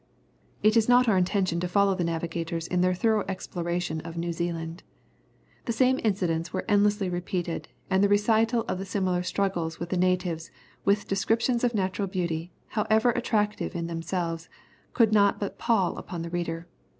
It is not our intention to follow the navigators in their thorough exploration of New Zealand. The same incidents were endlessly repeated, and the recital of the similar struggles with the natives, with descriptions of natural beauty, however attractive in themselves, could not but pall upon the reader.